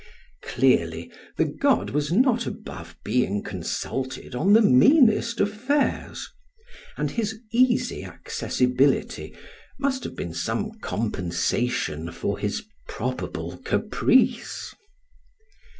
Clearly, the god was not above being consulted on the meanest affairs; and his easy accessibility must have been some compensation for his probable caprice.